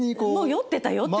酔ってた、酔ってた。